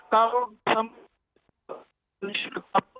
kalau sampai ini